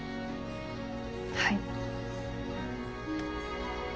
はい。